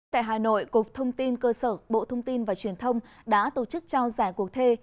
tại hà nội cục thông tin cơ sở bộ thông tin và truyền thông đã tổ chức trao giải cuộc thê